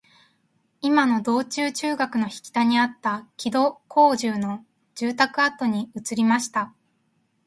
いまの銅駝中学の北にあった木戸孝允の住居跡に移りました